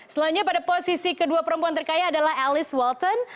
selanjutnya pada posisi kedua perempuan terkaya adalah alice walton